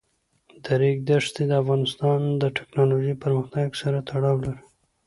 د ریګ دښتې د افغانستان د تکنالوژۍ پرمختګ سره تړاو لري.